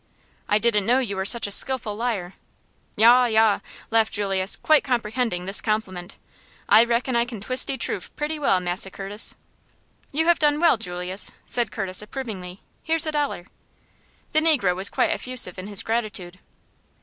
"I didn't know you were such a skillful liar." "Yah! yah!" laughed Julius, quite comprehending this compliment. "I reckon I can twis' de trufe pretty well, Massa Curtis!" "You have done well, Julius," said Curtis, approvingly. "Here's a dollar!" The negro was quite effusive in his gratitude.